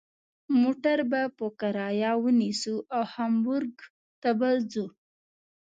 موټر به په کرایه ونیسو او هامبورګ ته به ځو.